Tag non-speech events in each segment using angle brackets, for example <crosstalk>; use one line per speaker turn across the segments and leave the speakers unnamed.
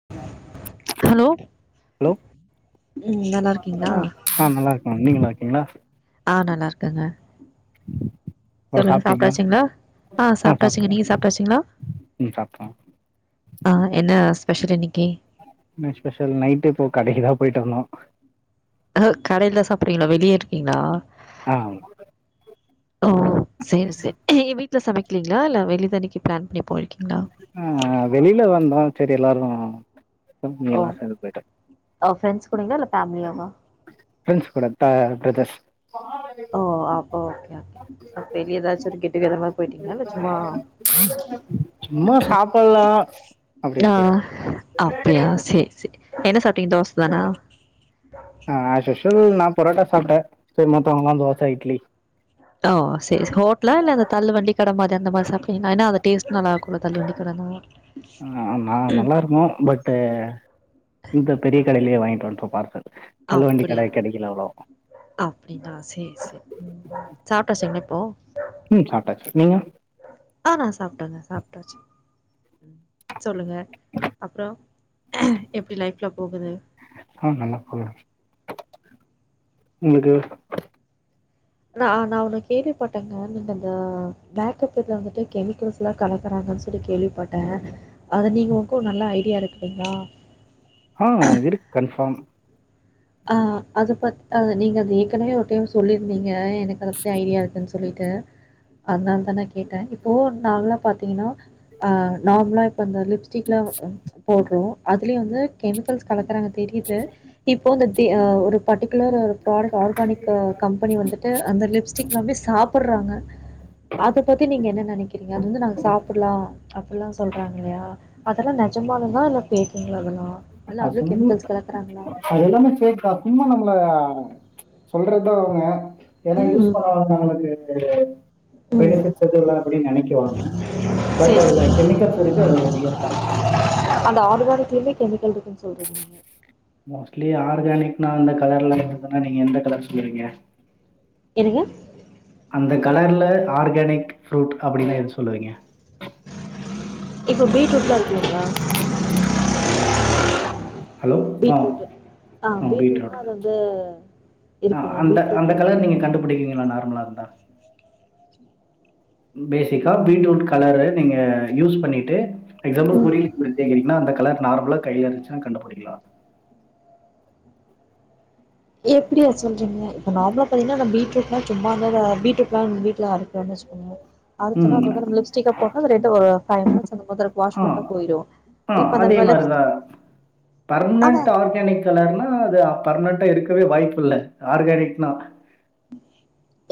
<unintelligible>
Hello
hello
ம் நல்லா இருக்கீங்ளா
ஆ ஆ நல்ல இருக்கங்க நீங்க நல்லா இருக்கீங்களா
ஆஹ் நல்லா இருக்கங்க
<inaudible>
சொல்லுங்க
சாப்ட்டீங்களா
சாப்ட்டாச்சுங்ளா ஆஹ்
ஆ
சாப்ட்டாச்சுங்க
சாப்ட்டோ
நீங்க சாப்ட்டாச்சுங்ளா
ம் சாப்ட்டோ
ஆஹ் என்ன ஸ்பெஷல் இன்னைக்கி
ஸ்பெஷல் நைட்டு இப்போ கடைக்கு தா போயிட்டு வந்தோ
ஹ கடையில சாப்ட்டீங்ளா வெளியே இருக்கீங்ளா
ஆஹ்
ஓ சேர் செரி ஏ வீட்டுல சமைக்கலீங்களா இல்ல வெளில இன்னிக்கி பிளான் பண்ணி போயிருக்கீங்ளா
ஆஹ் வெளியில வந்தோம் சரி எல்லாரும் <unintelligible> எல்லாம் சேந்து போயிட்டோ
ஆஹ் ப்ரண்ட்ஸ் கூடீங்களா இல்ல பேம்லியா வா
ப்ரண்ட்ஸ் கூட த்த பிரதர்ஸ்
ஓ அப்ப ஓகே அ பெரிய ஏதாச்சும் ஒரு கேட்டுகெதர் மாதிரி போயிட்டீங்ளா இல்ல சும்மா
சும்மா சாப்பல்லா அப்டின்ட்டு போயிட்டோ
நாஹ் அப்டியா செரி செரி என்ன சாப்ட்டீங்க தோச தானா
ஆஸ்சுஷல் நா பொரோட்டா சாப்ட்டே போயி மத்தவங்கலா தோச இட்லி
ஓ சரி சரி ஹோட்ல இல்ல இந்த தள்ளு வண்டி கடை மாதிரி அந்த மாதிரி சாப்ட்டீங்களா ஏனா அது டேஸ்ட் நல்லாருக் குள்ள தள்ளு வண்டி கடைலுமே
ஆ நா நல்லாருக்கு பட்டு இந்த பெரிய கடையிலயே வாங்கிட்டு வந்ட்டோ பார்சல் தள்ளுவண்டி கட
அப்படியா
கெடைக்கல அவ்ளோ
அப்டிங்ளா சேரி சேரி‌ ம் சாப்ட்டாச்சுங்ள இப்போ
ம் சாப்ட்டாச்சி நீங்க
ஆா நா சாப்ட்டேங்க சாப்ட்டாச்சி சொல்லுங்க அப்புறோ எப்டி லைஃப்லா போகுது
ஆஹ் நல்லா போகுது உங்ளுக்கு
ந நா வொன்னு கேள்விப்பட்டேங்க நீங்க அந்த மேக்கப்செட்ல வந்துட்டு கெமிக்கல்ஸ் கலக்கறாங்கன்னு சொல்லி கேள்விப்பட்ட அது நீங்க இங்கு நல்லா ஐடியா இருக்குங்ளா
ஆஹ் இருக்கு கன்ஃபார்ம்
ஆஹ் அது பத் அது நீங்க அது ஏற்கனவே ஒரு டைம் சொல்லியிருந்தீங்க எனக்கு அது பத்தி ஐடியா இருக்குன்னு சொல்லிட்டு அதனால தா நா கேட்ட இப்போ நால்லா பாத்தீங்கனா அஹ் நார்மலா இப்போ அந்த லிப்ஸ்டிக்லா போட்றே அதுலயு வந்து கெமிக்கல்ஸ் கலக்குறாங்க தெரிது இப்போ தித்தி ஆஹ் ஒரு பர்டிகுலர் ப்ராடக்ட் ஆர்கானிக்கு கம்பெனி வந்து ட்டு அந்த லிப்ஸ்டிக் எல்லாமே சாப்புட்றாங்க அத பத்தி நீங்க என்ன நெனைக்கிறீங்க அது வந்து நாங்க சாப்புட்லா அப்புல்லா சொல்றாங்க இல்லையா அதல்லாம் நெஜமாலுமா இல்ல பேக்குங்களா அதல்லா
<unintelligible> அது எல்லாமே பேக்தா சும்மா நம்மள சொல்றத்தா அவங்க ஏன்னா யூஸ்
ம்.
பண்ணா நமக்கு
ம்.
பெனிபிட்ஸ் ஏது இல்ல அப்புடின்னு நெனைக்குவாங்க பட்
சரி
அதுல
சரி
கெமிக்கல்ஸ் இருக்கு அது ரியல் தா
அந்த ஆர்கானிக்லிமே கெமிக்கல் இருக்குன்னு சொல்றீங்க நீங்க
மோஸ்ட்லி ஆர்கானிக்னா அந்த கலர்லா இருந்ததுன்னா நீங்க எந்த கலர் சொல்லுவீங்க
என்னங்க
அந்த கலர்ல ஆர்கானிக் ஃப்ரூட் அப்புடின்னா எது சொல்லுவீங்க
இப்போ பீட்ரூட்லா இருக்குயில்லிங்ளா
ஹலோ ஆ
பீட்ரூட்டு ஆ பீட்ரூட்னா அது வந்து
ஆ
இருக்கு இல்லையா
அந்த அந்த
பீட்ரூட்டு
கலர் நீங்க கண்டுபுடிக்கீங்களா நார்மலா இருந்தா பேசிக்கா பீட்ரூட் கலரு நீங்க யூஸ் பண்ணிட்டு எக்ஸாம்பிள்
ம்
புரி <unintelligible> கேக்குறீங்கன்னா அந்த கலர் நார்மலா கைல இருந்ச்சுனா கண்டுபுடிக்கலா
எப்டி அது சொல்றீங்க இப்ப நார்மலா பாத்தீங்கன்னா இந்த பீடரூட்லா சும்மா இந்த பீட்ரூட்லா நம்ம வீட்ல அறுக்குனு சொ அறுத்தோனா அது வந்து
ம்
நம்ம லிப்ஸ்டிக்கா போட்டா அது ரெண்டு ஒரு ஃபை மினிட்ஸ் அந்த மாதிரி வாஷ்
ஆ
பண்ட்டா போயிரு
ஆ அதே மாரிதா
ஆனால்
பர்மனன்ட் கலர்னா அது பர்மனன்ட்டா இருக்கவே வாய்ப்பு இல்ல ஆர்கானிக்னா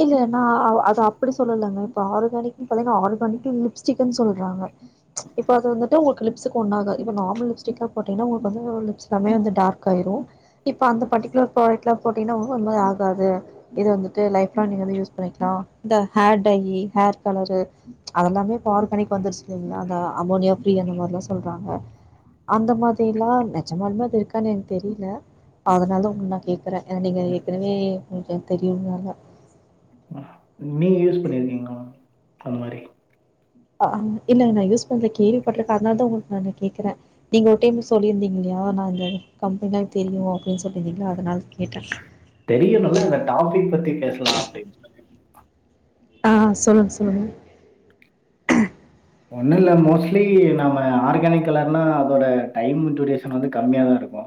இல்ல நா அவு அது அப்புடி சொல்லலங்க இப்ப ஆர்கானிக்குன்னு பாத்தீங்கன்னா ஆர்கானிக்கு லிப்ஸ்டிக்குன்னு சொல்றாங்க இப்ப அது வந்துட்டு உங்களுக்கு லிப்ஸ்க்கு ஒன்னு ஆகாது இப்ப நார்மல் லிப்ஸ்டிக்கா போட்டீங்கன்னா உங்களுக்கு வந்து ஒரு லிப்ஸ் எல்லாமே வந்து டார்க் ஆயிரு இப்ப அந்த பர்ட்டிகுலர் ப்ராடக்ட்லா போட்டீங்கன்னா ஒன்னுமே ஆகாது இது வந்துட்டு லைஃப்லாங் நீங்க வந்து யூஸ் பண்ணிக்கலா இந்த ஹேர் டையி ஹேர் கலரு அதெல்லாமே இப்ப ஆர்கானிக் வந்துருச்சு இல்லீங்களா அந்த அமோனியா ஃப்ரீ அந்த மாரில்லா சொல்றாங்க அந்த மாதிரில்லா நெஜமாலுமே அது இருக்கான்னு எனக்கு தெரியில அதனால தா உன்ன கேக்குற ஏனா நீங்க ஏற்கனவே உனக்கு அது தெரியும்ல அதா
னுமே யூஸ் பண்ணிருக்கீங்களா அந்த மாரி
ஆஹ இல்லங்க நா யூஸ் பண்ல கேள்விப்பட்ருக்க அதனால தா உங்களுக்கு நானு கேக்குற நீங்க ஒரு டைம் சொல்லியிருந்தீங்க இல்லையா நா இந்த கம்பெனி தெரியு அப்டின்னு சொல்லியிருந்தீங்களா அதனால கேட்ட
தெரியுமல்ல அந்த டாபிக் பத்தி பேசலா அப்டின்னு சொல்லி
ஆ சொல்லுங்க சொல்லுங்க
ஒன்னு இல்ல மோஸ்ட்லி நம்ம ஆர்கானிக் எல்லாருனா அதோட டைம் டியூரேஷன் வந்து கம்மியா தா இருக்கு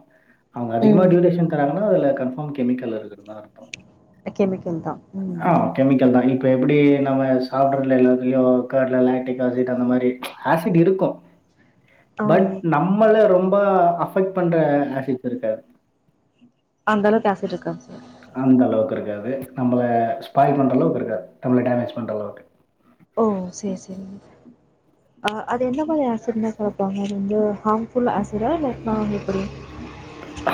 அவுங்க அதிகமா
ம்
டியூரேஷன் தராங்கன்னா அதுல கன்ஃபார்ம் கெமிக்கல் இருக்குனு தா அர்த்தோ
கெமிக்கல் தா ம்
ஆ கெமிக்கல் தா இப்ப எப்பிடி நம்ம சாப்புறதுல எல்லாத்துலயு கர்ட்ல லாக்டிக் ஆசிட் அந்த மாரி ஆசிட் இருக்கு
ஆம்,
பட் நம்மள ரொம்ப அஃபெக்ட் பண்ற ஆசிட் இருக்காது
அந்தளவுக்கு ஆசிட் இருக்காது சார்
அந்தளவுக்கு இருக்காது நம்மள ஸ்பாய்ல் பண்றளவுக்கு இருக்காது நம்மள டேமேஜ் பண்ற அளவுக்கு
ஓ சேரி சேரிங்க ஆ அது எந்த மாதிரி ஆசிட்ன கலப்பாங்க அது வந்து ஹார்ம்ஃபுல் ஆசிடா இல்ல ஸ்ட்ராங் எப்புடி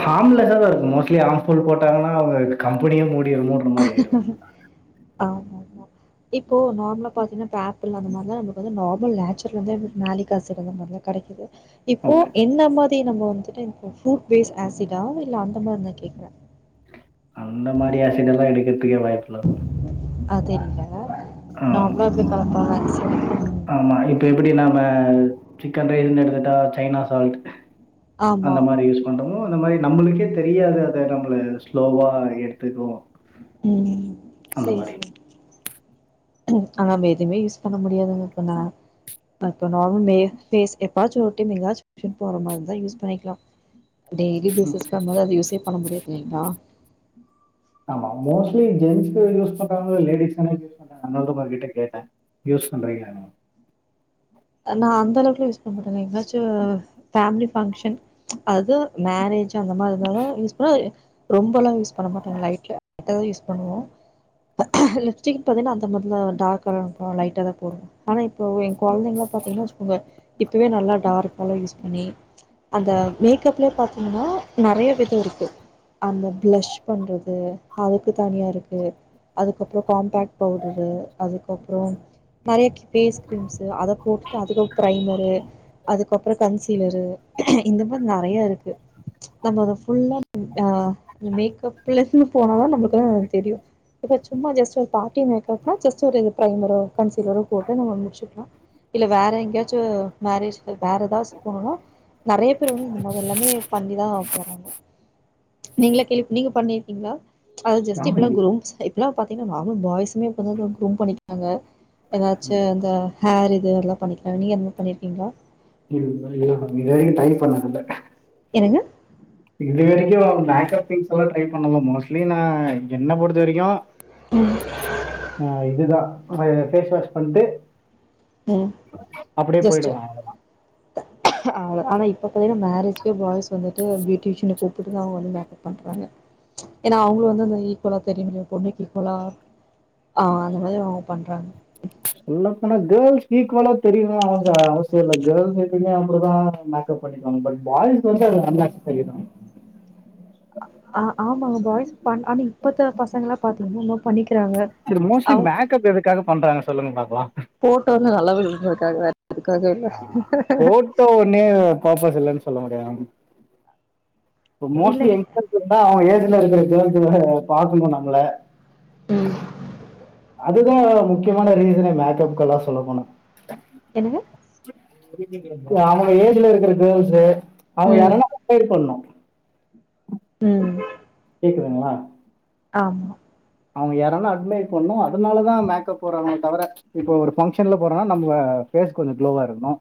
ஹார்ம்லெஸ்ஸா தா இருக்கு மோஸ்ட்லி ஹார்ம்ஃபுல் போட்டாங்கன்னா அவுங்க கம்பெனியே மூடிரனு
ஆமாமா இப்போ நார்மலா பாத்தீங்கன்னா இப்ப ஆப்பிள் அந்த மாரிலா நமக்கு வந்து நார்மல் நேச்சுர்ல வந்து மேலிக் ஆசிட் அந்த மாரிலா கெடைக்குது இப்போ
ஓகே
என்ன மாதி நம்ம வந்துட்டு இப்போ ஃப்ரூட் பேஸ்ட் ஆசிட்டா இல்ல அந்த மாதிரி நா கேக்குற
அந்த மாரி ஆசிட் எல்லா எடுக்கறதுக்கே வாய்ப்புல்ல மேம்
அது இல்ல நார்மலா எப்டி கலப்பாங்க
ஆமா இப்ப எப்டி நாம சிக்கன் ரைஸ்னு எடுத்துட்டா சைனா சால்ட்
ஆமா.
அந்த மாரி யூஸ் பண்றோமோ அந்த மாரி நம்மளுக்கே தெரியாது அது நம்மள ஸ்லோவா எடுத்துக்கு
ம் சேர் சேர் ம் ஆனா நம்ம எதுவுமே யூஸ் பண்ண முடியாதுங்க இப்ப நா ப்பா இப்ப நார்மல் மே ஃபேஸ் எப்பாச்சு ஒரு டைம் எங்கயாச்சு ட்ரிப் போற மாரி இருந்தா யூஸ் பண்ணிக்கலா டெய்லி பேசிஸ்ல மொத அத யூஸே பண்ண முடியதுல்லைங்களா
ஆமா மோஸ்ட்லி ஜென்ஸ் யூஸ் பண்றாங்களோ இல்லையோ லேடீஸ்தான அதனாலதம்பா உங்ககிட்ட கேட்டே யூஸ் பண்றீங்கான்னு
நா அந்தளவுக்கு யூஸ் பண்ணமாட்டே எங்காச்சு ஃபேமிலி ஃபங்க்ஷன் அது மேரேஜ்ஜு அந்த மாரி இருந்தாலு யூஸ் ப ரொம்பெல்லா யூஸ் பண்ண மாட்டாங்க லைட்ட தா யூஸ் பண்ணுவோ லிப்ஸ்டிக் பாத்தீங்கன்னா அந்த மாதிரி டார்க் கலர் லைட்டா தா போடுவோ ஆனா இப்போ ஏ கொழந்தைங்கள பாத்திங்கன்னா வச்சுக்கோங்க இப்பவே நல்லா டார்க கலர் யூஸ் பண்ணி அந்த மேக்கப்லே பாத் ஆனா நெறைய விதோ இருக்கு அந்த பிளஷ் பண்றது அதுக்கு தனியா இருக்கு அதுக்கப்பற காம்பேக்ட் பவுடரு அதுக்கப்பரோம் நெறைய ஃபேஸ் கிரீம்ஸ்சு போட்டுட்டு அதுக்கு ப்ரைமரு அதுக்கப்பற கன்சீலரு இந்த மாரி நெறையா இருக்கு நம்ம அத புல்லா அ மேக்கப்ல இருந்து போனாதா நம்மளுக்குல்லா அது தெரியு இப்ப சும்மா ஜஸ்ட்டு ஒரு பார்ட்டி மேக்கப்னா ஜஸ்ட்டு ஒரு ப்ரைமரோ கன்சீலரோ போட்டு நம்ம முடிச்சுக்கலா இல்ல வேற எங்கயாச்சு மேரேஜ்க்கு வேற ஏதாவது போகணும்னா நெறைய பேர் வந்து இந்த மாரி எல்லாமே பண்ணிதா போறாங்க நீங்களா கேள் நீங்க பண்ணியிருக்கீங்களா அது ஜஸ்ட்டு இப்பல்லா
பண்ணுறீங்க
குரூம்ஸ் இப்பல்லா பாத்தீங்கன்னா நார்மல் பாய்ஸுமே இப்பலா குரூம் பண்ணிக்கிறாங்க ஏதாச்சு இந்த ஹேர்ரு இது எல்லா பண்ணிக்கலா நீங்க அது மாரி பண்ணிருக்கீங்களா
ம்ல்ல இது வரைக்கு ட்ரை பண்ணதில்ல
என்னங்க
இது வரைக்கு மேக்ப் திங்ஸ்ல்லா ட்ரை பண்ணலா மோஸ்ட்லி நா என்ன பொறுத்த வரைக்கு
ம்
அ இதுதா ஆ இத ஃபேஸ் வாஷ் பண்ட்டு
ம் ஜஸ்ட்டு
போயிடுவேன்.
அவ்ள ஆனா இப்ப பாத்தின்னா மேரேஜ் பாய்ஸ் வந்துட்டு பியூட்டீசின்னு கூப் இப்டிதா அவங்க மேக்கப் பண்றாங்க ஏன்னா அவங்களு வந்து அந்த ஈக்குவலா தெரிய முடியு பொண்ணுக்கு ஈக்குவலா அ அந்த மாரி அவங்க பண்றாங்க
சொல்லப்போனா கேர்ள்ஸ் இக்வலா தெரியனும்னு அவங்க அவசிய இல்ல கேர்ள்ஸ்சு இவங்க அப்படிதா மேக்கப் பண்ணாங்க பட் பாய்ஸ் வந்து அது அன்னெஸ்ஸசரி
அ ஆமாங்க பாய்ஸ் பண் ஆனா இப்பத்த பசங்கல்லா பாத்தீங்கன்னா என்மோ பண்ணிக்கிறாங்க
இது மோஸ்ட்லி
அவ
மேக்கப் எதுக்காக பண்றாங்க சொல்லுங்க பாக்கலா
போட்டோ வந்து நல்ல விழுகறதுக்காக வேறதுக்காக இல்ல
னு பர்பஸ் இல்லன்னு சொல்ல முடியாது இப்போ மோஸ்லி
இல்லங்க
வந்து இருந்தா அவங்க ஏஜ்ல இருக்கிற கேர்ள்ஸ் எல்லா பாக்கணு நம்மள
ம்
அதுதா முக்கியமான ரீசனே மேக்கப்க்குல்லா சொல்ல போனா
என்னங்க
அவங்க ஏஜ்ல இருக்கிற கேர்ள்ஸ் அவங்க
ம்
யாரனா கம்பேர் பண்ணனு
ம்
கேக்குதுங்களா
ஆமா
அவங்க யாரான்ட அட்மை பண்ணணு அதனாலதா மேக்கப் போறாங்களே தவர இப்போ ஒரு ஃபங்க்ஷன்ல போறன்னா நம்ம பேஸ் கொஞ்ச க்ளோவா இருக்கணு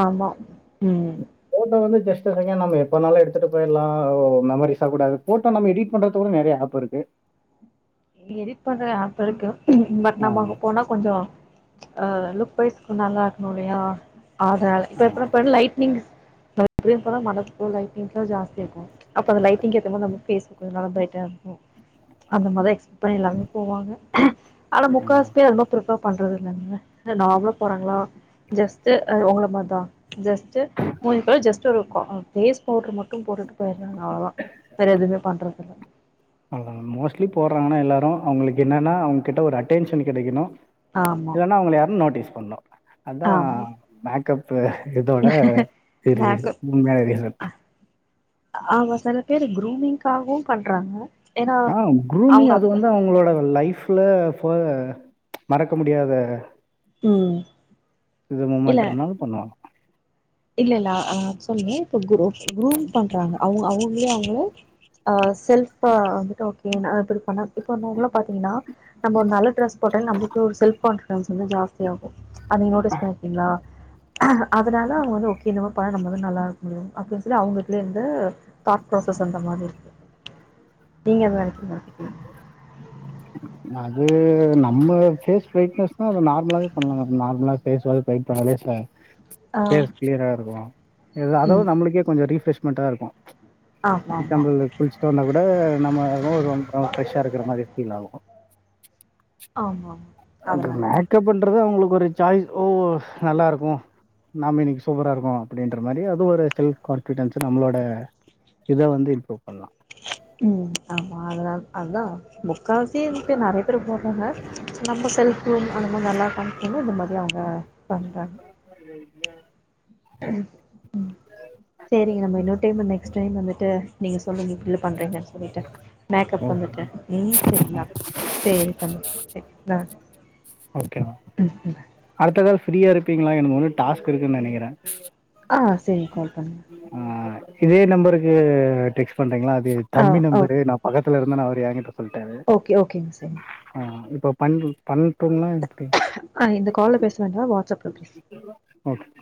ஆமா ம்
போட்டோ வந்து ஜஸ்ட் வந்துங்க நம்ப எப்ப வேணாலு. எடுத்துட்டு போயிட்லா ஓ மெமரிசா கூட அது போட்டோ நம்ம எடிட் பண்றதுக்கூட நெறய ஆப் இருக்கு
எடிட் பண்ற ஆப் இருக்கு பட் நம்ப அங்க போனா கொஞ்சோ அ லுக் வைஸ் நல்லா இருக்ணு இல்லையா அதனால இப்ப எப்டின்னா இப்பதான லைட்னிங்ஸ் அது வந்து இப்பதா மரத்துல உள்ள லைட்னிங்ஸ்ல்லா ஜாஸ்தியா இருக்கு அப்ப அந்த லைட்டிங்க்கு ஏத்த மாரி நம்ப பேஸ்சு கொஞ்சோ நல்லா ப்ரைட்டா இருக்னு அந்த மாரிதா எக்ஸ் அப்ப எல்லாருமே போவாங்க ஆனா முக்காவாசி பேர் அது மாரி பிர்பேர் பண்றது இல்லங்க எல்லா நார்மலா போறாங்களா ஜஸ்ட் அ உங்கள மாரிதா ஜஸ்ட் மூஞ்சிக்லா ஜஸ்ட்டு ஒரு க பேஸ் பவுடர் மட்டு போட்டுட்டு வேற என்ன அவ்வளதா வேற எதுமே பண்றது இல்ல
அவங்க மோஸ்ட்லி போட்றாங்கன்னா எல்லாரு அவங்களுக்கு என்னன்னா அவங்ககிட்ட ஒரு அட்டென்ஷன் கிடைக்கணு
ஆமா
இல்லன்னா அவங்கள யாருன்னு நோட்டீஸ் பண்ணணு அதா
ஆமா
மேக்கப் இதோட இது
மேக்கப்
உண்மையான ரீசன்
ஆமா சில பேரு குரூமிங்க்காகவு பண்றாங்க ஏன்னா
ஆ குரூமிங்
அவங்க
அது
அப்ப
வந்து அவங்களோட லைஃப்ல ஃப மறக்க முடியாத
ம்
இது
இல்ல
முமெண்ட்றனால பண்ணுவாங்க
இல்ல இல்ல அ ஆக்சுவலி இப்ப கு குரூம் பண்றாங்க அவங் அவங்களே அவங்கள அ செல்ஃப்பா வந்துட்டு ஓகே நா இப்டி பண்ணா இப்போ நார்மலா பாத்தீங்கன்னா நம்ம ஒரு நல்ல ட்ரெஸ் போட்டாலே நம்மளுக்கு ஒரு செல்ஃப் கான்பிடென்ஸ் வந்து ஜாஸ்தி ஆகு, அத நீங்க நோட்டீஸ் பண்ணிருக்கீங்ளா அதனால அவங்க வந்து ஒகே இந்த மாரி பண்ணா நம்ம வந்து நல்லா இருக்க முடியு அப்படின்னு சொல்லி அவங்களுக்குள்ளயே இந்த தாட் ப்ராசஸ் அந்த மாரி இருக்கு நீங்க என்ன நெனைக்றீங்க
எத அது நம்ம ஃபேஸ் பிரைட்னஸ்னா அது நார்மலாவே பண்லாமே நார்மலா ஃபேஸ்வல் பிரைட் பண்ணாலே ச ஃபேஸ் கிளீயரா இருக்கு இது
ஆ ம்
அதாவது நம்மளுக்கே கொஞ்சோ ரீஃப்ரெஷ்மெண்டா இருக்கு
ஆமா ஆமா
எக்ஸ்ஸாம்பில் குளிச்சிட்டு வந்தா கூட நம்ப முகம் ரொம்ப ஃப்ரெஷ்ஷா இருக்கற மாரி ஃபீல் ஆகு
ஆமா ஆமா
அந்த
அதனால மு
மேக்கப் பண்றது அவங்களுக்கு ஒரு சாய்ஸ் ஓ நல்லா இருக்கு நாம இன்னிக்கு சூப்பரா இருக்கோ, அப்டின்ற மாரி அது ஒரு செல்ஃப் கான்பிடென்ஸ் நம்ளோட இத வந்து இம்ரூவ் பண்லாம்
ம் ஆமா அதனால அதா முக்காவாசி வந்ட்டு நறைய பேர் போட்றாங்க, நம்ம செல்ப் குரூம் அந்த மாரி நல்லா கம் இன்னு நிம்மதியா அவங்க பண்றாங்க
நறைய பேரு
ம் சேரிங்க நம்ப இன்னொரு டைமு நெக்ஸ்ட் டைம் வந்துட்டு நீங்க சொல்லுங்க இப்டில்லா பண்றீங்கன்னு சொல்ட்டு மேக்கப் வந்துட்டு
ஓகேண்ணா
ம் சேரிங்களா சேரிதாங்க சேரி ஆ
ஓகே
ம் ம்
அடுத்த கால் ஃப்ரீயா இருப்பீங்ளா எனக்கு இன்னு டாஸ்க் இருக்குனு நெனைக்கிற
ஆ, சேரி கால் பண்ணுங்க
அ இதே நம்பருக்கு டெக்ஸ்ட் பண்றீங்களா அது
ஆ
தம்பி
ஓ
நம்பரு நா பக்கத்துல இருந்தனா அவரு எங்கிட்ட
ஓகே ஓகேங்க செரி
அ இப்ப பண்றீ பண்டும்னா எப்டி
ஆ இந்த கால்ல பேச வேண்டா வாட்ஸ்அப்ல பேசு
ஓகே